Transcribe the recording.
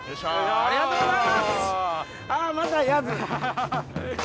ありがとうございます。